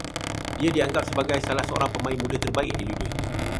Dia dianggap sebagai salah seorang pemain muda terbaik di dunia